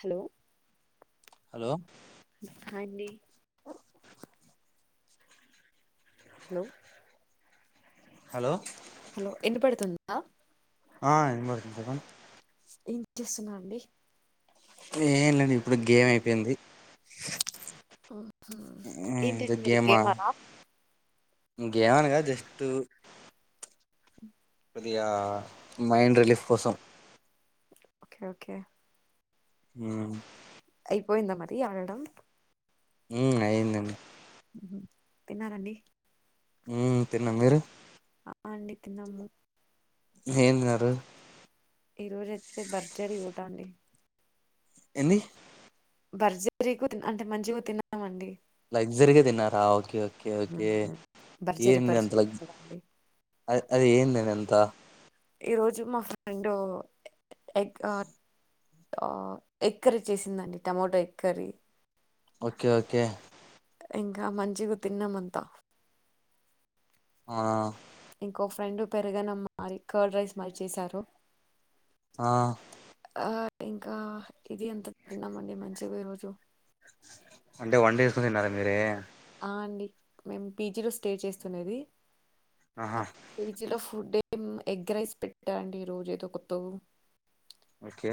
[inaudible] Hello hi అండి hello hello hello ఇన్పడుతుంది ఆ ఆ ఇనాపాడుతుది చెప్పండి ఏం చేస్తునావు అండి ఏంలేండి ఇప్పుడే గేమ్ అయిపోయింది ఆహా. ఏంటండి హమ్ మీరు గేమ్ గేమరా గేమాన్న గా జస్ట్ [inaudible] యా మైండ్ రిలీఫ్ కోసం ఓకే ఓకే ఉహు అయిపోయిందా మరి ఆడడం హు అయిందండి తిన్నారా అండి ఉ తిన్న మీరు అ అండి తిన్నాము ఏం తిన్నారు ఈ రోజయితే బ్రజరీ యుట అండి ఎన్ని బర్జరీ కు అంటే మంచిగా తిన్నామండి లగ్జరీగా తిన్నారా ఓకే ఓకే ఓకే మ్మ్. ఓకే బర్జరీ ఏం ఎంత ల బర్జరీ లగ్జరీ అండి ఆ అది ఏందని అంత ఈరోజు మా ఫ్రెండ్ ఎ ఎగ్ ఆ ఎగ్ ఆ కర్రీ చేసిందండి tomato egg curry okay okay ఇంకా మంచిగా తిన్నామంతా ఆ ఇంకో ఫ్రెండ్ పెరుగు అన్నం మరి కర్డ్ రైస్ మరి చేసారు ఆ ఆ ఇంకా ఇది ఎంత తిన్నామండి మంచిగా ఈ రోజు అంటే వంట చేసుకుని తిన్నారా మీరే అండి మేము పీజీలో స్టే చేస్తునేది ఆహా ఆ పీజీలో ఫు ఫుడ్ ఏ ఎగ్ రైస్ పెట్టా అండి. ఈ రోజు ఏదో కొతో ఓకే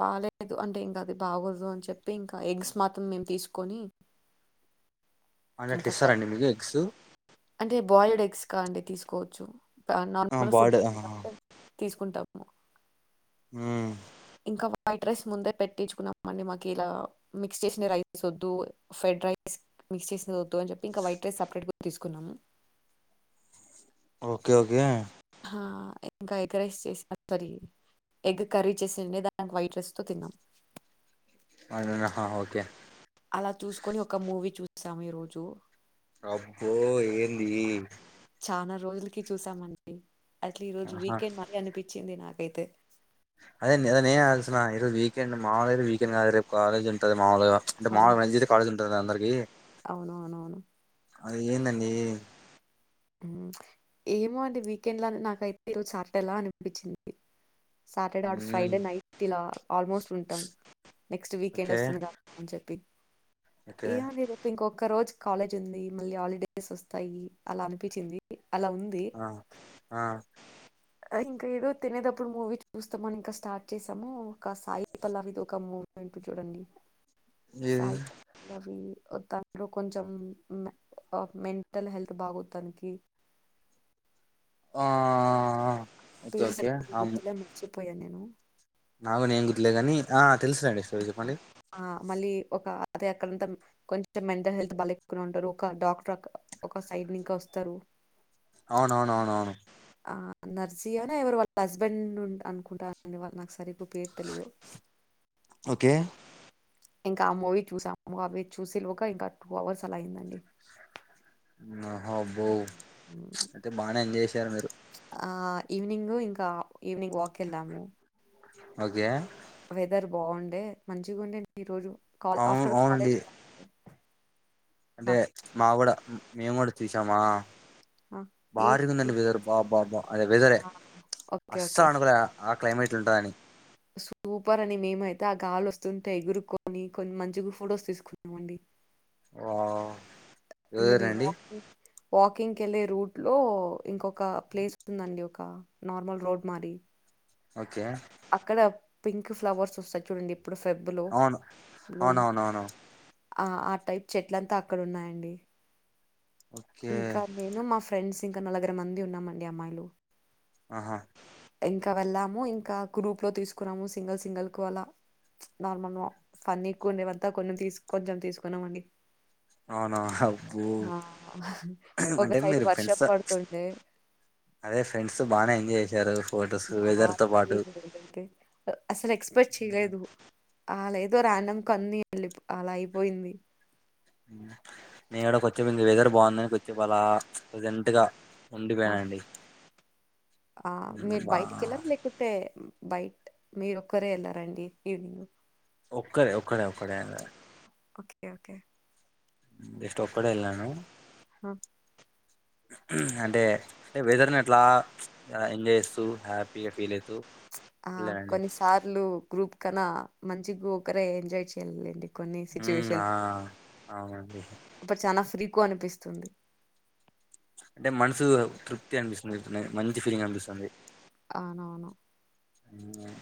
బాలేదు. అంటే ఇంకా అది బాగోదు అని చెప్పి ఇంకా ఎగ్స్ మాత్రం మేము తీసుకొని అది అట్ల ఇంకా ఇస్తారా కర్రీ అండి మీకు ఎగ్స్ అంటే బాయిల్డ్ ఎగ్స్ కా అండి తీసుకోవచ్చు. ఆ నార్మల్ ఫుడ్ బాయిల్డ్ ఆహా [unintelligible] తీసుకుంటాము. ఆ ఇంకా వైట్ రైస్ ముందే పెట్టించుకున్నాం. అండి మాకు ఇలా మిక్స్ చేసిన రైస్ వద్దు ఫ్రెడ్ రైస్ మిక్స్ చేసిన వద్దు అని చెప్పి ఇంకా వైట్ రైస్ సపరేట్ తీసుకున్నాము. ఓకే ఓకే అహ ఇంకా ఎగ్ రైస్ చేసి సారీ ఎగ్ కర్రీ చేసుండే ద దాన్ని వైట్ రైస్ తో తిన్నాం. ఆహా ఓకే అలా చూసుకుని ఒక మూవీ చూ చూసాము. ఈ రోజు అబ్బో ఏంది చానా రోజులకి చూసామండి. అట్లా ఈ రోజు ఆహా వీకెండ్ మరి అనిపి వచ్చింది నాకైతే అదేంది నేనే ఆలోచిస్తున్న చూస్తునా ఈరోజ్ వీకెండ్ మామూలుగా అయితే వీకెండ్ కాదు రేపు కాలేజ్ ఉంటుంది. మామూలుగా అంటే ఆ! మామూలుగా [unintelligible] కాలేజ్ ఉంటుంది కదా అందరికి అవునవునవును ఏందండీ. హ్మా ఏమో అంటే వీకెండ్ లా నాకైతే ఈరోజు సాటర్డే లా అనిపించింది. Saturday or hmm Friday night ఇలా ఆల్మోస్ట్ ఉంటాం. నెక్స్ట్ వీకెండ్ ఓకే వస్తుంది. గా అని చెప్పి ఓకే ఏం ఉంది. రేప్ ఇంకోక్ ఒక రోజు కాలేజ్ ఉంది మళ్ళీ హాలిడేస్ వస్తాయి. అలా అనిపి పించింది. ఆ ఆ ఇంకా ఏదో తినేటప్పుడు మూవీ చూస్తామని ఇంకా స్టార్ట్ చేసాము. కా సాయి పల్లవిది ఒక మూవీ ఉంటది చూడండి. ఏది సాయి పల్లవి తన్లో కొంచం మెంటల్ హెల్త్ బాగోదు. తనాకి ఆ ఓకే ఓకే ఆమే ను పోయా నేను తెలుసు లేండి స్టోరీ చెప్పండి. ఆ, మళ్ళీ ఒక అదే అక్కడంత కొంచెం మెంటల్ హెల్త్ బాలేకుండా ఉంటారు. ఒక డాక్టర్ ఒక సైడ్ నీకా వస్తారు. అవునవునవునవును ఆ నర్జీయానా ఎవరో వాళ్ళ హస్బెండ్ ఉం అనుకుంటారండి వాళ్ళు నాకు సరిగ్గా పేరు తెలిదు ఓకే ఇంకా ఆ మూవీ చూసాము అవి చూసేలోగా ఇంకా టూ అవర్స్ అలా అయిందండి హ బో ఉమ్, అయితే బానే ఎంజాయ్ చేసారు మీరు ఆ ఈవినింగూ ఇంకా ఈవినింగ్ వాక్ కెళ్ళము ఓకే బాగుండే మంచిగుండేన్‌ ఈ రోజు కాల్ అవును ఆఫ్టర్ అవునండి కాలేజ్ ఆ! అంటే మాగూడ మేము కూడా తీసామా ఆ! ఈ బారీగా ఉందండి వెదరు బా బా బా అదే వెదరే ఆ! ఓకే. అస్సలు ఓకే. అనుకోలేదు క్లైమేట్లు ఉంటాయని సూపర్ అని మేమైతే ఆ గాలి వస్తుంటే ఎగురుక్కొని కొని మంచిగా ఫోటోస్ తీసుకున్నామండి వెదర్ మేమే అండి వాకు వాకింగ్ కెళ్ళే రూట్ లో ఇంకొ ఒక ప్లేస్ ఉందండి క నార్మల్ రోడ్ మాడి ఓకే అక్కడ పింక్ ఫ్లవర్స్ వస్తయి చూడండి ఇప్పుడు ఫెబ్బులో అవును బ్లూప్ అవునవునవును ఆ ఆ టైప్ చెట్లంతా అక్కడ ఉన్నాయండి ఓకే ఇంకా నేను మా ఫ్రెండ్స్ ఇంకా నలుగర మంది ఉన్నామండి అమ్మాయిలు ఆహా ఇంకా వెళ్ళాము ఇంకా గ్రూప్ లో తీసుకున్నాము సింగల్ సింగల్ కు అలా నార్మల్ ఫన్నీ ఎక్కువ ఉండేవంతా కొన్నీ తీసు కొంచెం తీసుకున్నామ అండి అవును అవున అబ్బో ఒక అంటే సైడ్ మీరు వర్షం ఫ్రెండ్స్ పడుతుండే అదే ఫ్రెండ్స్ బానే ఎంజాయ్ చే జారు [unintelligible] అయితే అసలు ఎక్స్ పెట్ ఉమ్, చేయలేదు అ లేదో రాండం కన్నీ వెళ్ళి పో అలా అయిపోయింది నేను ఎడ కొచ్చేపు ఇంగ వెదర్ బాగుందని కోచ్చేపలా ప్రజెంట్గా ఆ, ఉండిపోయనండి ఆ, బా బైట్ మీరు ఒక్కరే ఎళ్ళరండి ఈవినింగ్ ఒక్కడే ఒక్కడే ఒక్కడే ఎంద ఓకే ఓకే జస్ట్ ఒక్కడినే ఏళ్ళాను. అంటే వెదర్ ని అట్లా ఎంజాయ్ చేస్తూ హ్యాపీగా ఫీల్ అయి ఆ కొన్నిసార్లు గ్రూప్ కన్నా మంచిగా ఒకరే ఎంజాయ్ చేయ్యాలండి. కొన్ని ఉమ్, స్విచ్చువేషన్ ఆ అవునండి చనా ఫ్రీ కు అనిపిస్తుంది. అంటే మనసు తృప్తి అనిపిస్తుంది మంచి ఫీలింగ్ అనిపిస్తుంది. అవునవును ఉమ్,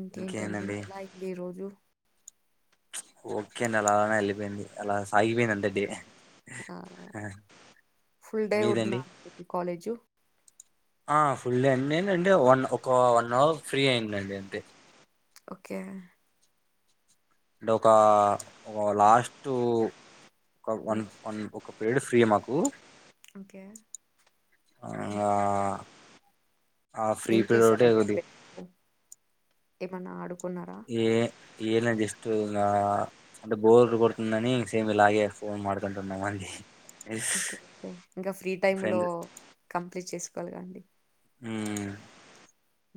ఇంకేంటండి ఇంకేందండి [unintelligible] రోజు ఓకే అండి అలానే ఏల్లి పోయింది. అలా సాగిపోయింది అంత డే ఆ! ఫుల్ డే ఉన్నా మీదండి అనుకోండి కాలేజు. ఆ ఫుల్ ఏంటంటే వన్ ఒక వన్ అవర్ ఫ్రీ అయిందండి అంతే ఓకే అంటే ఒక ఒక లాస్ట్ ఒక వన్ హ్మ్. వన్ ఒక పేరియాడ్ ఫ్రీ యే మాకు ఓకే. ఇంగ ఆ ఫ్రీ ఏం పీరియడ్ ఒకటె చేశారండి కొద్దిగ అప్పుడు? ఏమన్నా ఆడు ఏ ఏన జస్ట్ స్ట్ నా అంటే బోర్ కొడుతుందని సేమ్ ఇలాగే ఫోన్ మాట్లడుకుంటున్నాము అండి. ఓకే ఇంకా ఫ్రీ టైమ్ లో ఫ్రెండ్ కంప్లీట్ చేసు కోవలేగా అండి.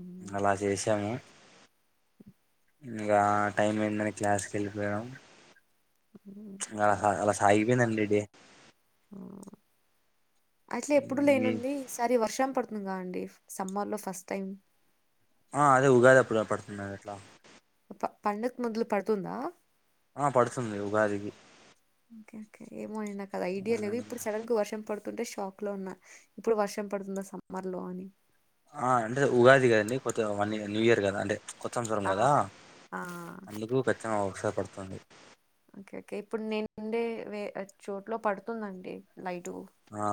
హ్మ్. అలా చేశాము. ఇంకా టైం అయిందని క్లాస్కి వెళ్ళిపోయాం. అహా అలా సాగిపోయింది. అంది డే హ్ అట్లే ఎప్పుడు మీ లేనుంది ఈ సారి వర్షం పడుతుంది. కదా అండి. సమ్మర్ లో ఫస్ట్ టైం ఆ అదే ఉగాది అప్పుడు పడుతున్నాద లా ప పండగ ముందులు పడుతుందా ఆ పడుతుంది ఉగాదికి ఓకే ఓకే ఏమో ఎండాకాద ఐడియా లేదు ఇప్పుడు సడన్ గా వర్షం పడుతు తుంటే షాక్ లో ఉన్న ఇప్పుడు వర్షం పడుతుందా. సమ్మర్ లో అని ఆ అంటే ఉగాది కదండి కొత్త వన్ న్యూ ఇయర్ కదా అంటే కొత్త సంవత్సరం హా కదా హా అందుకు ఖచ్చితంగా ఒకసారి పడుతుంది కేకే ఇప్పుడు ని చో ఇట్ లో పడుతుందండి లైట్ ఆ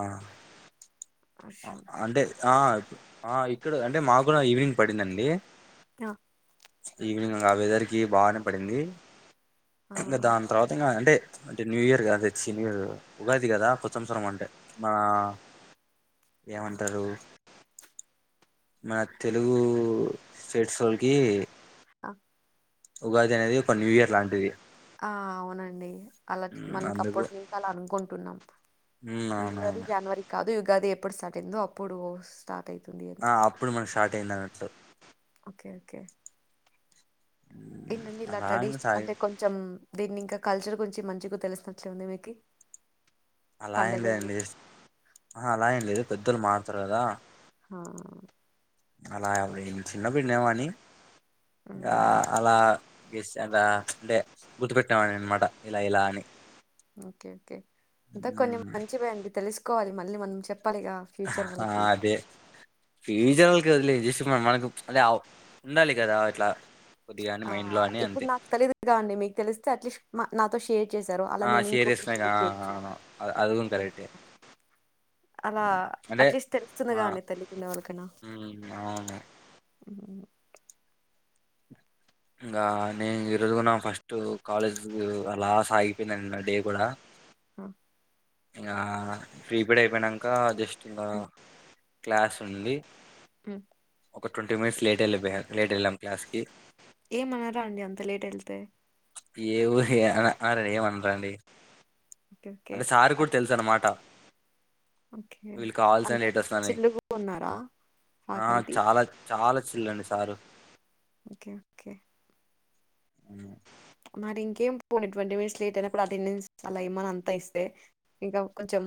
ఆ వర్షం. అంటే ఆ ఇప్ ఆ ఇక్కడ అంటే మా కూడా ఈవినింగ్ పడిందండి ఆ ఈవినింగ్ం వెదర్ కి బాగానే పడింది ఆ! ఇంకా దాని తర్వాత ఇంకా అంటే అంటే న్యూ ఇయర్ కదా తెచ్చి న్యూ ఇయర్ ఉగాది కదా కొత్తవత్సరం అంటే మన ఏమంటారు మన తెలుగు స్టేట్స్ వోళ్ళకి ఆ! ఉగాది అనేది ఒక న్యూ ఇయర్ లాంటిది ఆ అవునండి అలా ఉమ్, మనకు అందుకు అప్పటి ను అలా అనుకుంటున్నాం ఉమ్, న్యూ ఇయర్ అవునవును జనవరి కాదు గది ఎప్పుడు స్టార్ట్ అయిందో అప్పుడు స్టార్ట్ అయితుంది అని. ఆ అప్పుడు మనం షార్ట్ అయింద అన్నట్లు ఓకే ఓకే ఉమ్, ఇండి ఇలా అలా ఏం ట్రెడిషన్ సాయి అంటే కొంచెం దీన్ని ఇంకా కల్చర్ గురించి మంచి తెలిసినట్లే ఉంది మీకి అలా ఏ పండగలు లేదండి ఆ అలా ఏం లేదు పెద్దలు మార్ ట్లాడతారు కదా హా అలా అడ చిన్నపుడ్ నెవని ఆ మ్మ్ అలా ఎసెంగా అంటే గుర్తుపెట్టామని అనమాట ఇలా ఇలా అని ఓకే అ కొన్ని ఉమ్, మంచి బ్యాండి తెలిస్ కోవాలి మళ్ళీ మనం చెప్ ఆ అదే ఈ జనాలకొదిలేయ్ తీసుకు మనకు అదే ఉండాలి కదా అట్లా ఆ ఇప్పుడు నాకు తెలిదుగా అండి మీకు తెలిస్తే అట్లీస్ట్ నాతో షేర్ చేశారు అలా ఆ నేను ఇంకొకరు శేరిస్ను షేర్ ఆ ఆ చేయొచ్చు ఆ ఆ అద్ అది కూడా కరెక్టే అలా అంటే అట్లీస్ట్ తెలుస్తుందిగా అండి తెలియకుండా వాళ్ళకైనా అవును మ్మ్ ఇంకా నేను ఈ రోజుకున్నా ఫస్ట్ కాలేజ్ అలా సాగిపోయింది నా డే కూడా ఆ ఆ ప్రీపేడ్ ఐపోయినంక జస్ట్. కిందా. క్లాస్ ఉంది. మ్మ్ ఒక ట్వంటీ మినిట్స్ లేట్ ఏళ్ళిపొయా. లేట్ ఏళ్లాం క్లాస్ కి. ఏమనరా అండి. అంత లేట్ ఎళ్తే. ఆరరెంమనరండి. ఓకే అంటే సార్ గూడ్ తెలుసన్నమాట. ఒకే అంటే వస్తున్నారని చిల్లుగున్నారా ఆ ఫ్యాకల్టీ చాలా చాలా చిల్ అండి సారు ఓకే కే. అ మరి ఇంకేం పొని ట్వంటీ మినిట్స్ లేట్ అయినకూడ అటెండెన్స్ అలా ఏమన అంతా ఇస్తే ఇంకా కొంచెం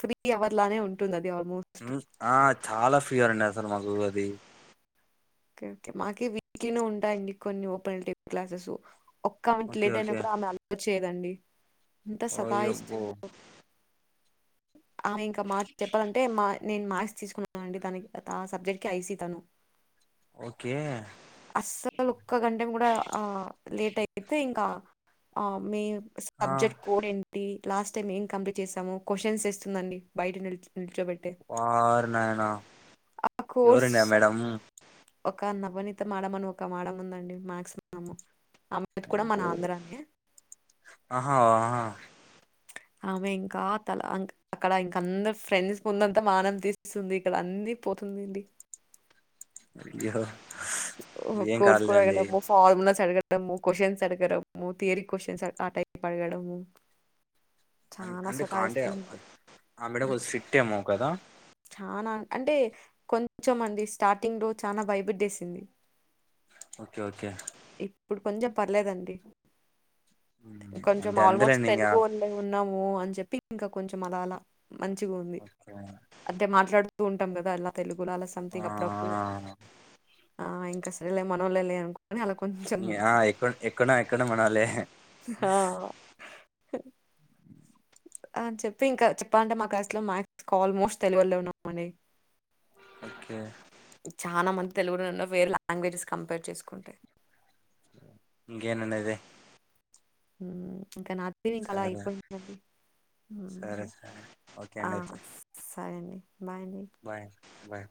ఫ్రీ అవర్ లానే ఉంటుంది అద్. ఊ ఆ చాలా ఫీయర్ అండి అసలు మాక్. గూడది. కే ఓకే మాకి వీక్లీనే ఉంటాయండి కొన్ని ఓపెన్ టీ క్లాసస్సు. ఒక్క మినిట్ ఓకే లేట్ అయిన ఓకే కూడా ఆమె అల్ తి. చేదండి. ఎంత సతా ఓయబ్బో ఇస్తుందో. ఆమే ఇంక మా చెప్పాలంటే మా నేను మ్యాథ్స్ తీసుకున్నాను అండి తనకి ఆ సబ్జెక్ట్ కి ఐసి తను. ఓకే అస్సలు ఒక్క గంటన్ గూడ ఆ లేట్ అయితే ఇంకా. ఆమే. ఆ సబ్జెక్ట్ కోడ్ ఏన్. టీ లాస్ట్ టైం ఏం కంప్లీట్ చేసామో. క్యూషన్స్ ఇస్తుందండి బయట నిల్చ్. వార్ నాయనా ఆ కోర్స్ ఎవరండి ఆ మేడం. ఒక నవనిత మేడం అని ఒక మేడం ఉందండి మ్యాథ్స్ మేడము. అబ్బో ఆహా ఆ. ఆమె ఇంక తల ఇంక్ అక్కడ ఇంక అందరు ఫ్రెండ్స్ ముందంత మానం తీసిస్తుంది. ఇక్కడ అన్ని పోతుందిండి. అయ్యో ఓ ఏం కోర్స్ కూడా కాదులేండి ఎడము ఫార్ములాస్ అడగడం. డము కొషన్స్ అడగడము. థియరీ కోషన్స్ ఆ ఆ టైప్ అడగడము. అన్ చాలా అంటే కాంటే సతాయిస్తుంది అన్ ఆ మేడం స్టిర్ట్ ఏమో కదా. చానా అంటే కొంచం అండి. స్టార్టింగ్ రోజ్. చానా భయపేట్టేసింది. Okay okay. ఇప్పుడు కొంచెం పర్లేదండి. ఉమ్, ఇంకొంచెం అంటే ఆల్మోస్ట్ అంతేలేండి ఇంగ తెలుగు ఉండే ఉన్. ఉన్నాము అని చెప్పి ఇంకా కొంచెం అల అల మంచిగుంది ఓకే అంతే మాట్లాడు ఉంటం కదా అలా తెలుగు గులాల ఆ సంతింగ్ అప్పుడు అప్పుడు ఆ ఇంకాసర్లే మనోళ్లే లే అన్ కో ఎక్క ఆ ఎక్కడ ఎక్కడ మనోళ్లే ఆ హ [inaudible] అన్ చెప్పెయి ఇంక చెప్పాలంటే మా క్లాస్ లోమక్స్ ఆల్మోస్ట్ తెలుగోల్లే ఉన్నాండి ఓకే చాన మంది తెలుగోళ్ళే ఉన్న వేరే లాంగ్వేజెస్ కంపేర్ చేసుకుంటాయి ఇంకెందండి ఐతే హ్మ్ ఇంక నా టీవీ ఇంక అలా సరే అయిపొందండి సరే హుమ్ సరే ఓకే ఆ అండి అయితే హాయ్ అండి బాయ్ అండి బాయ్ బాయ్